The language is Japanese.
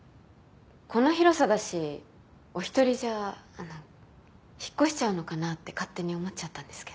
この広さだしお一人じゃあの引っ越しちゃうのかなって勝手に思っちゃったんですけど。